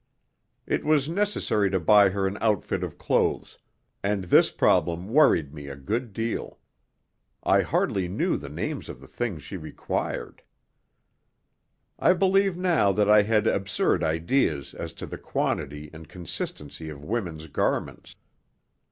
It was necessary to buy her an outfit of clothes, and this problem worried me a good deal. I hardly knew the names of the things she required. I believe now that I had absurd ideas as to the quantity and consistency of women's garments.